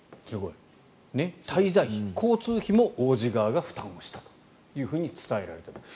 滞在費、交通費も王子側が負担したと伝えられています。